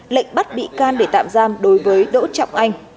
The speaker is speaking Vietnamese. lệnh bắt bị can để tạm giam đối với đỗ trọng anh